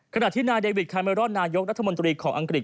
ขณะที่นายไดวิทย์คาแมรอทนายกรรภ์รัฐมนตรีของอังกฤษ